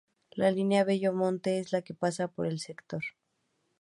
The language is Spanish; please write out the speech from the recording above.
La línea Bello Monte es la que pasa por el sector.